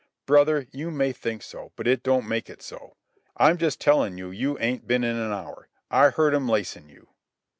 "Brother, you may think so, but it don't make it so. I'm just tellin' you you ain't ben in an hour. I heard 'm lacin' you."